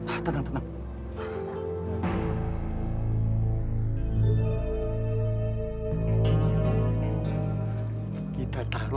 betul ini saya yang diambil